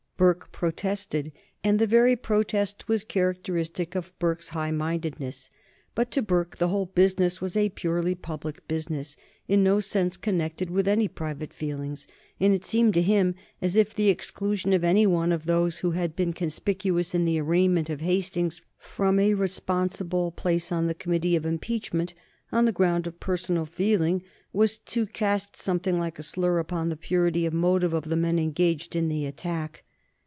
Burke protested, and the very protest was characteristic of Burke's high mindedness. For to Burke the whole business was a purely public business, in no sense connected with any private feelings, and it seemed to him as if the exclusion of any one of those who had been conspicuous in the arraignment of Hastings from a responsible place on the Committee of Impeachment on the ground of personal feeling was to cast something like a slur upon the purity of motive of the men engaged in the attack.